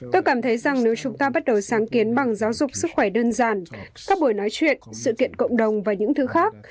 tôi cảm thấy rằng nếu chúng ta bắt đầu sáng kiến bằng giáo dục sức khỏe đơn giản các buổi nói chuyện sự kiện cộng đồng và những thứ khác